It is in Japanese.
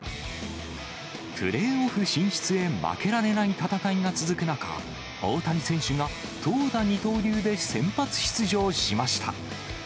プレーオフ進出へ負けられない戦いが続く中、大谷選手が投打二刀流で先発出場しました。